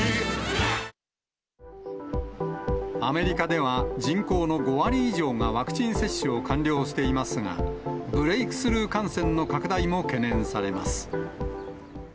アメリカでは、人口の５割以上がワクチン接種を完了していますが、ブレイクスルー感染の拡大も懸念されます。